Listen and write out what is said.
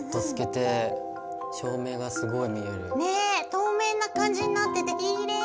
透明な感じになっててきれい！